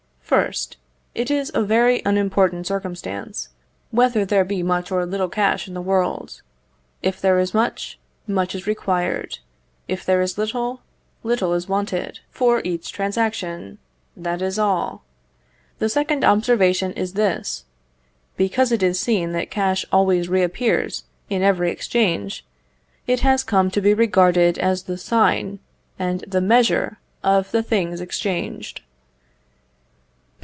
First, It is a very unimportant circumstance whether there be much or little cash in the world. If there is much, much is required; if there is little, little is wanted, for each transaction: that is all. The second observation is this: Because it is seen that cash always reappears in every exchange, it has come to be regarded as the sign and the measure of the things exchanged.